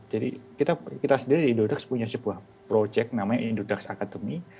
jadi kita sendiri di indodax punya sebuah proyek namanya indodax academy